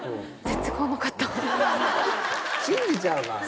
信じちゃうからね。